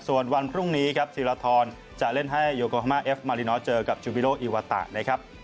ส่วนวันพรุ่งนี้ครับธีรทรจะเล่นให้โยโกฮามาเอฟมารินอลเจอกับจูบิโลอีวาตะนะครับ